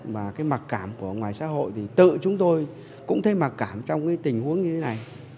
mà cái mặc cảm của ngoài xã hội thì tự chúng tôi cũng thấy mặc cảm trong cái tình huống như thế này